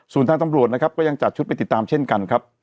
ส่วนทางตำรวจนะครับก็ยังจัดชุดไปติดตามเช่นกันครับ